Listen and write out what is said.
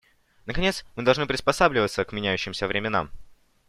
Наконец, мы должны приспосабливаться к меняющимся временам.